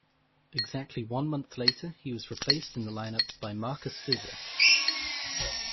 Exactly one month later, he was replaced in the line-up by Marcus Fizer.